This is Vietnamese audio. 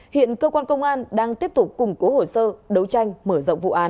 hiện cơ quan công an đang tiếp tục củng cố hồ sơ đấu tranh mở rộng vụ án